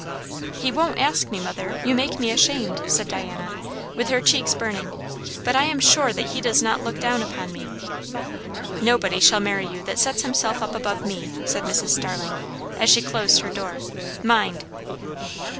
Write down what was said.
"He won't ask me, mother. You make me ashamed!" said Diana, with her cheeks burning; "but I am sure he does not look down upon me." "Nobody shall marry you that sets himself up above me," said Mrs. Starling as she closed her door. "Mind!"